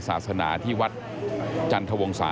พบหน้าลูกแบบเป็นร่างไร้วิญญาณ